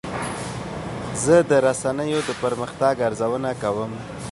زه د رسنیو د پرمختګ ارزونه کوم.